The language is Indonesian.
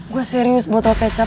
gua serius botol kecap